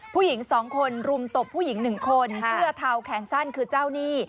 ผู้หญิง๒คนรุมตบผู้หญิง๑คนเสื้อเทาแขนสั้นคือเจ้าหนี้